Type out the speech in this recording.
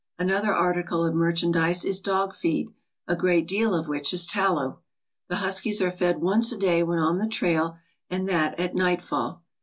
Another article of mer chandise is dog feed, a great deal of which is tallow. The huskies are fed once a day when on the trail, and that at nightfall.